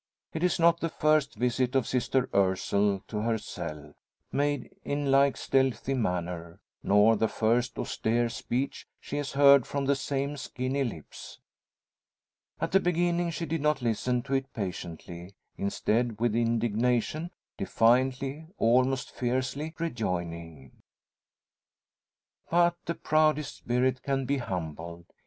It is not the first visit of Sister Ursule to her cell, made in like stealthy manner; nor the first austere speech she has heard from the same skinny lips. At the beginning she did not listen to it patiently; instead, with indignation; defiantly, almost fiercely, rejoining. But the proudest spirit can be humbled.